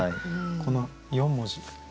この４文字。